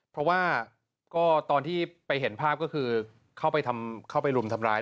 เพราะว่าก็ตอนที่ไปเห็นภาพก็คือเข้าไปรุมทำร้าย